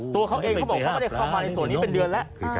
ตัวเขาเองเขาบอกว่าไม่ได้เข้ามาในส่วนนี้เป็นเดือนแล้ว